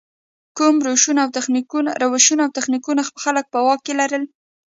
کوم روشونه او تخنیکونه خلک په واک کې لري.